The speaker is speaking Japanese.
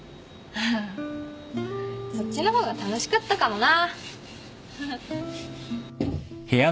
そっちの方が楽しかったかもな。